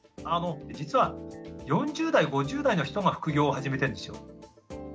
実は４０代５０代の人が副業を始めてるんですよ。